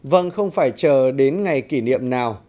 vâng không phải chờ đến ngày kỷ niệm nào